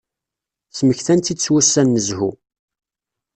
Smektan-tt-id s wussan n zzhu.